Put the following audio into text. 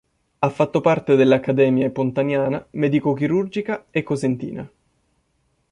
Ha fatto parte delle accademie Pontaniana, medico-chirurgica e cosentina.